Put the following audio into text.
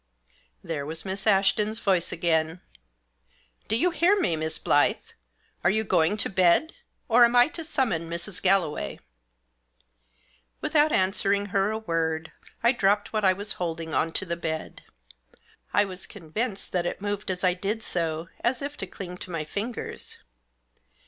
There was Miss Ashton's voice again. " Do you hear me, Miss Blyth ? Are you going to bed ? or am I to summon Mrs. Galloway ?" Without answering her a word I dropped what I was holding on to the bed. I was convinced that it moved as I did so, as if to cling to my fingers.